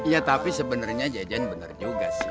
ya tapi sebenarnya jejen bener juga sih